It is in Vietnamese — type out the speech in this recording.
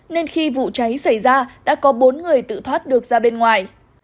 nên khi vụ cháy xảy ra đã có bốn người tự thoát được ra bên ngoài